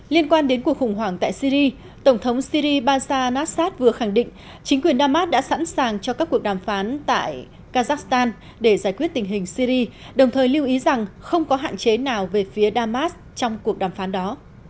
liên quan đến cuộc khủng hoảng tại syri tổng thống syri basa nassad vừa khẳng định chính quyền damas đã sẵn sàng cho các cuộc đàm phán tại kazakhstan để giải quyết tình hình syri đồng thời lưu ý rằng không có hạn chế nào về phía damas trong cuộc đàm phán đó